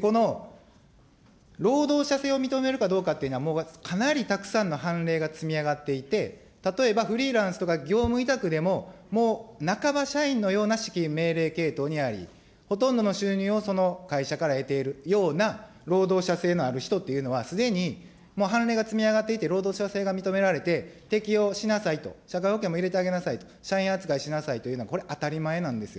この労働者性を認めるかどうかというのは、もうかなりたくさんの判例が積み上がっていて、例えばフリーランスとか業務委託でももう半ば社員のような指揮命令系統にあり、ほとんどの収入をその会社から得ているような労働者性のある人というのは、すでにもう判例が積み上がっていて労働者性が認められて、適用しなさいと、社会保険も入れてあげなさいと、社員扱いしなさいというのは、これ、当たり前なんですよ。